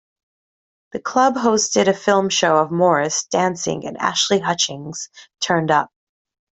The club hosted a film show of Morris dancing and Ashley Hutchings turned up.